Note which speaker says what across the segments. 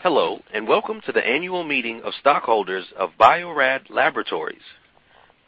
Speaker 1: Hello, and welcome to the annual meeting of stockholders of Bio-Rad Laboratories.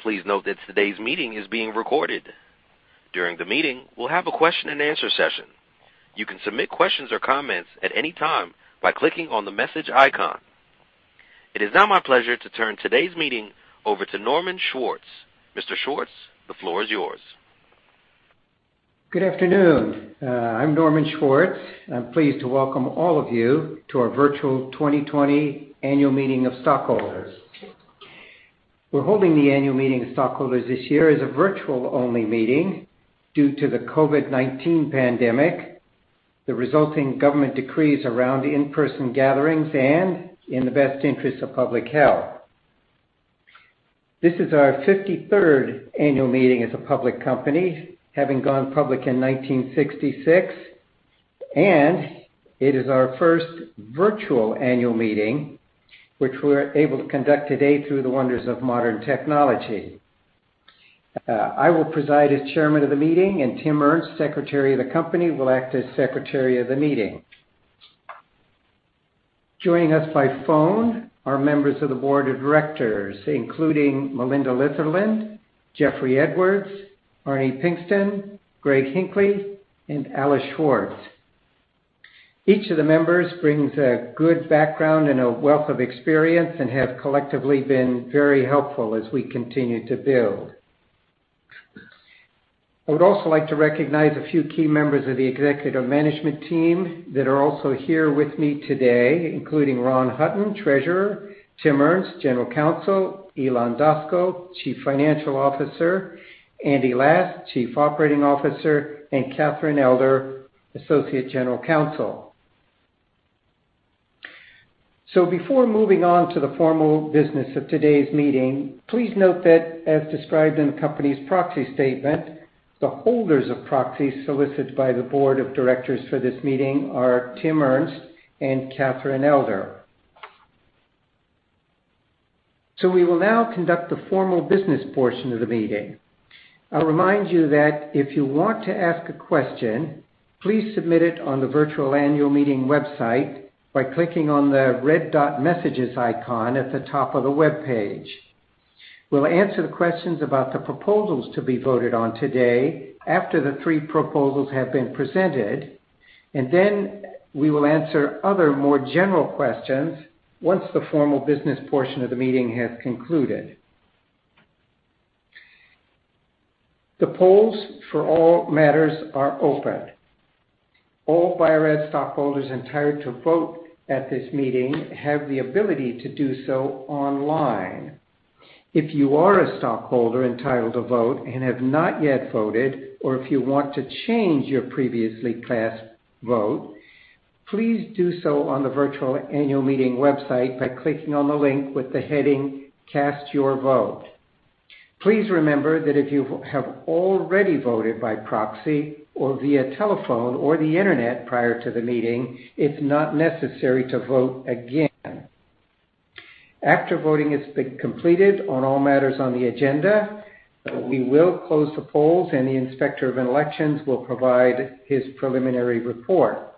Speaker 1: Please note that today's meeting is being recorded. During the meeting, we'll have a question-and-answer session. You can submit questions or comments at any time by clicking on the message icon. It is now my pleasure to turn today's meeting over to Norman Schwartz. Mr. Schwartz, the floor is yours.
Speaker 2: Good afternoon. I'm Norman Schwartz. I'm pleased to welcome all of you to our virtual 2020 annual meeting of stockholders. We're holding the annual meeting of stockholders this year as a virtual-only meeting due to the COVID-19 pandemic, the resulting government decrees around in-person gatherings, and in the best interests of public health. This is our 53rd annual meeting as a public company, having gone public in 1966, and it is our first virtual annual meeting, which we're able to conduct today through the wonders of modern technology. I will preside as Chairman of the meeting, and Tim Ernst, Secretary of the company, will act as secretary of the meeting. Joining us by phone are members of the board of directors, including Melinda Litherland, Jeffrey Edwards, Arnie Pinkston, Greg Hinckley, and Alice Schwartz. Each of the members brings a good background and a wealth of experience and have collectively been very helpful as we continue to build. I would also like to recognize a few key members of the executive management team that are also here with me today, including Ron Hutton, Treasurer, Tim Ernst, General Counsel, Ilan Daskal, Chief Financial Officer, Andy Last, Chief Operating Officer, and Catherine Elder, Associate General Counsel. So before moving on to the formal business of today's meeting, please note that, as described in the company's proxy statement, the holders of proxies solicited by the board of directors for this meeting are Tim Ernst and Catherine Elder. So we will now conduct the formal business portion of the meeting. I'll remind you that if you want to ask a question, please submit it on the virtual annual meeting website by clicking on the red dot messages icon at the top of the web page. We'll answer the questions about the proposals to be voted on today after the three proposals have been presented, and then we will answer other more general questions once the formal business portion of the meeting has concluded. The polls for all matters are open. All Bio-Rad stockholders entitled to vote at this meeting have the ability to do so online. If you are a stockholder entitled to vote and have not yet voted, or if you want to change your previously cast vote, please do so on the virtual annual meeting website by clicking on the link with the heading "Cast Your Vote." Please remember that if you have already voted by proxy or via telephone or the internet prior to the meeting, it's not necessary to vote again. After voting has been completed on all matters on the agenda, we will close the polls, and the inspector of elections will provide his preliminary report.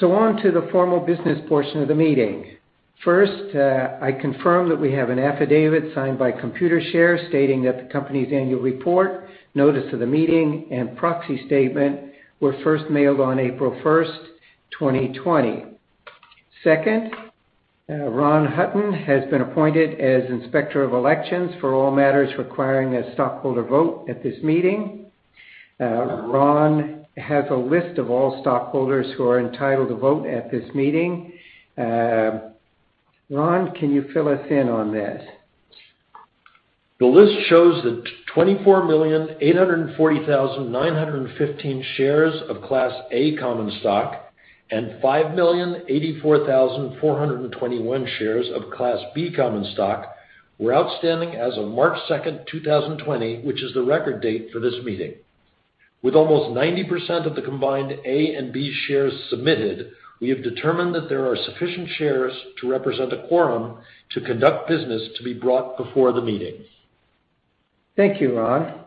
Speaker 2: So on to the formal business portion of the meeting. First, I confirm that we have an affidavit signed by Computershare stating that the company's annual report, notice of the meeting, and proxy statement were first mailed on April 1st, 2020. Second, Ron Hutton has been appointed as inspector of elections for all matters requiring a stockholder vote at this meeting. Ron has a list of all stockholders who are entitled to vote at this meeting. Ron, can you fill us in on this?
Speaker 3: The list shows that 24,840,915 shares of Class A common stock and 5,084,421 shares of Class B common stock were outstanding as of March 2nd, 2020, which is the record date for this meeting. With almost 90% of the combined A and B shares submitted, we have determined that there are sufficient shares to represent a quorum to conduct business to be brought before the meeting.
Speaker 2: Thank you, Ron.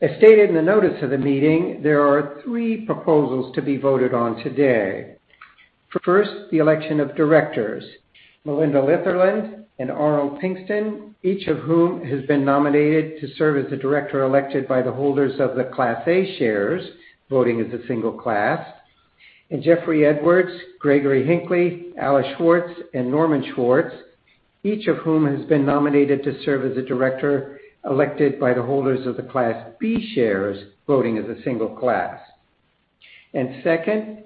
Speaker 2: As stated in the notice of the meeting, there are three proposals to be voted on today. First, the election of directors: Melinda Litherland and Arnold Pinkston, each of whom has been nominated to serve as a director elected by the holders of the Class A shares voting as a single class, and Jeffrey Edwards, Gregory Hinckley, Alice Schwartz, and Norman Schwartz, each of whom has been nominated to serve as a director elected by the holders of the Class B shares voting as a single class. Second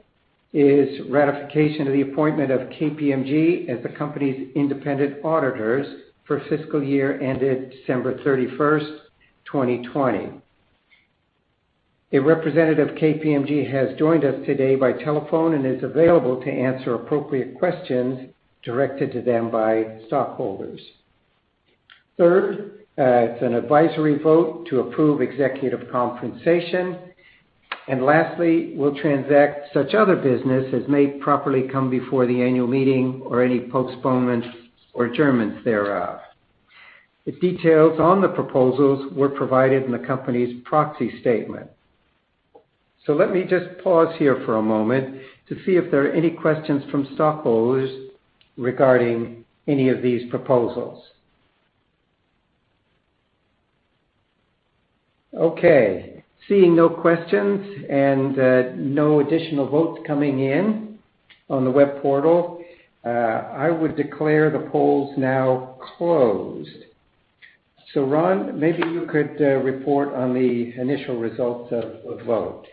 Speaker 2: is ratification of the appointment of KPMG as the company's independent auditors for fiscal year ended December 31st, 2020. A representative of KPMG has joined us today by telephone and is available to answer appropriate questions directed to them by stockholders. Third, it is an advisory vote to approve executive compensation. And lastly, we'll transact such other business as may properly come before the annual meeting or any postponement or adjournments thereof. The details on the proposals were provided in the company's Proxy statement. So let me just pause here for a moment to see if there are any questions from stockholders regarding any of these proposals. Okay. Seeing no questions and no additional votes coming in on the web portal, I would declare the polls now closed. So Ron, maybe you could report on the initial results of the vote.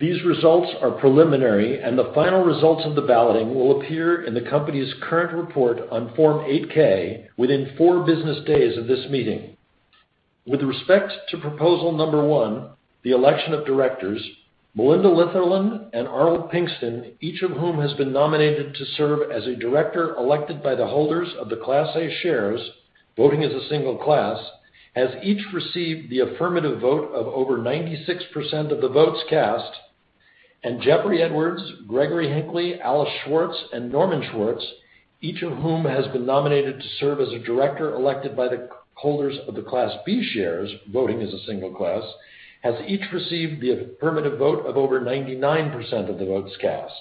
Speaker 3: These results are preliminary, and the final results of the balloting will appear in the company's current report on Form 8-K within four business days of this meeting. With respect to proposal number one, the election of directors, Melinda Litherland and Arnold Pinkston, each of whom has been nominated to serve as a director elected by the holders of the Class A shares voting as a single class, has each received the affirmative vote of over 96% of the votes cast, and Jeffrey Edwards, Gregory Hinckley, Alice Schwartz, and Norman Schwartz, each of whom has been nominated to serve as a director elected by the holders of the Class B shares voting as a single class, has each received the affirmative vote of over 99% of the votes cast.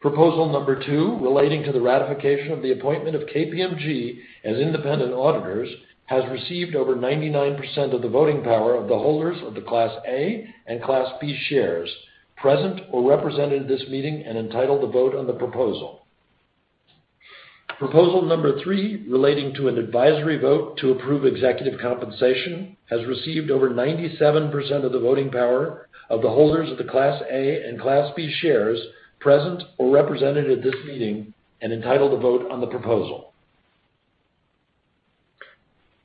Speaker 3: Proposal number two, relating to the ratification of the appointment of KPMG as independent auditors, has received over 99% of the voting power of the holders of the Class A and Class B shares present or represented at this meeting and entitled to vote on the proposal. Proposal number three, relating to an advisory vote to approve executive compensation, has received over 97% of the voting power of the holders of the Class A and Class B shares present or represented at this meeting and entitled to vote on the proposal.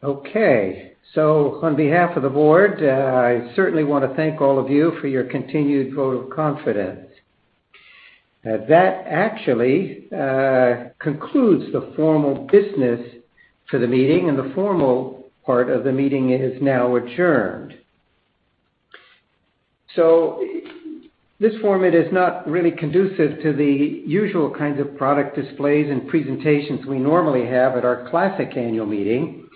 Speaker 2: Okay. So on behalf of the board, I certainly want to thank all of you for your continued vote of confidence. That actually concludes the formal business for the meeting, and the formal part of the meeting is now adjourned. So this format is not really conducive to the usual kinds of product displays and presentations we normally have at our classic annual meeting,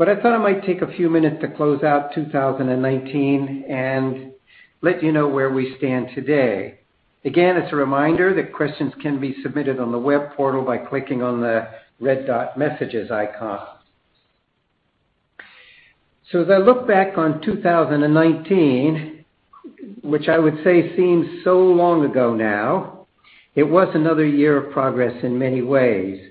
Speaker 2: but I thought I might take a few minutes to close out 2019 and let you know where we stand today. Again, it's a reminder that questions can be submitted on the web portal by clicking on the red dot messages icon. So as I look back on 2019, which I would say seems so long ago now, it was another year of progress in many ways.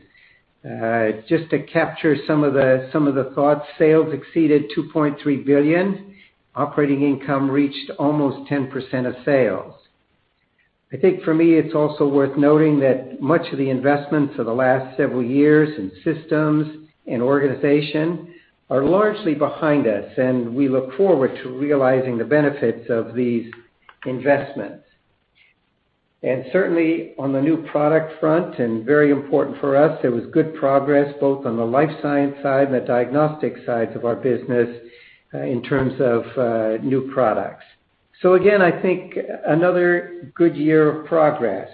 Speaker 2: Just to capture some of the thoughts, sales exceeded $2.3 billion. Operating income reached almost 10% of sales. I think for me, it's also worth noting that much of the investments of the last several years in systems and organization are largely behind us, and we look forward to realizing the benefits of these investments. And certainly, on the new product front, and very important for us, there was good progress both on the life science side and the diagnostic side of our business in terms of new products. So again, I think another good year of progress.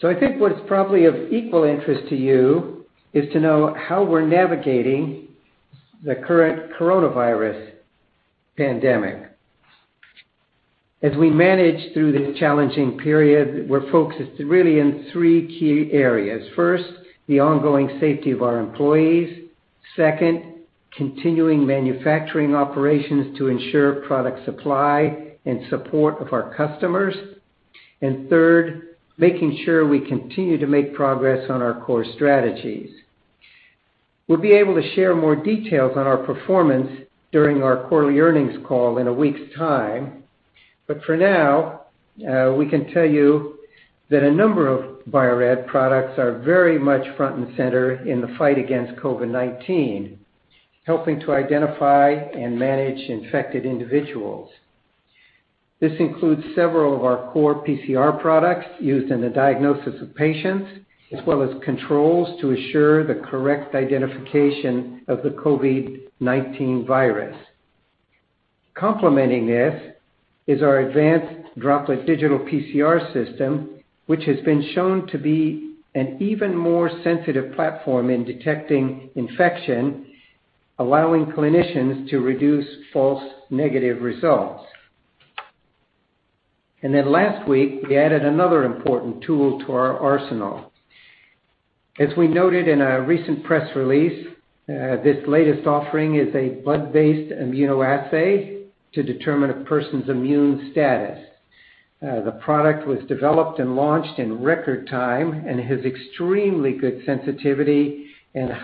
Speaker 2: So I think what's probably of equal interest to you is to know how we're navigating the current coronavirus pandemic. As we manage through this challenging period, we're focused really in three key areas. First, the ongoing safety of our employees. Second, continuing manufacturing operations to ensure product supply and support of our customers. And third, making sure we continue to make progress on our core strategies. We'll be able to share more details on our performance during our quarterly earnings call in a week's time, but for now, we can tell you that a number of Bio-Rad products are very much front and center in the fight against COVID-19, helping to identify and manage infected individuals. This includes several of our core PCR products used in the diagnosis of patients, as well as controls to assure the correct identification of the COVID-19 virus. Complementing this is our advanced Droplet Digital PCR system, which has been shown to be an even more sensitive platform in detecting infection, allowing clinicians to reduce false negative results, and then last week, we added another important tool to our arsenal. As we noted in a recent press release, this latest offering is a blood-based immunoassay to determine a person's immune status. The product was developed and launched in record time and has extremely good sensitivity and is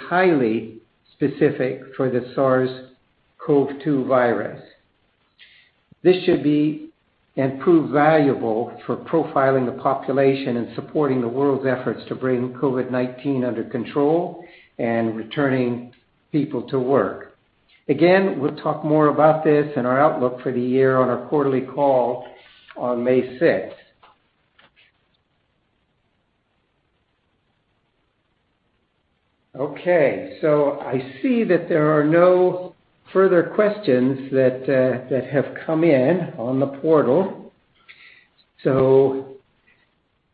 Speaker 2: highly specific for the SARS-CoV-2 virus. This should be and prove valuable for profiling the population and supporting the world's efforts to bring COVID-19 under control and returning people to work. Again, we'll talk more about this and our outlook for the year on our quarterly call on May 6th. Okay. So I see that there are no further questions that have come in on the portal. So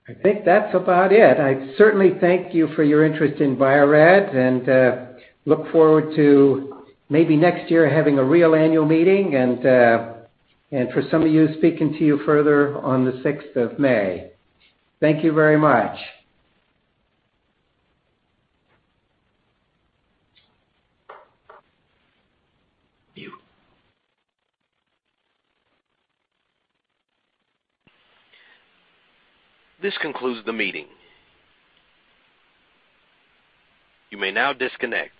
Speaker 2: I think that's about it. I certainly thank you for your interest in Bio-Rad and look forward to maybe next year having a real annual meeting and for some of you speaking to you further on the 6th of May. Thank you very much.
Speaker 1: This concludes the meeting. You may now disconnect.